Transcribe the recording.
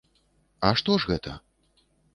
А што ж гэта?